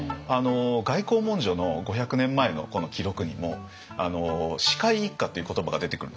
外交文書の５００年前の記録にも「四海一家」っていう言葉が出てくるんです。